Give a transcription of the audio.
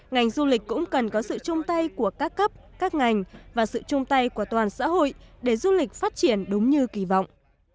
ngành du lịch cũng cần có sự chung tay của các cấp các ngành và sự chung tay của toàn xã hội để du lịch phát triển đúng như kỳ vọng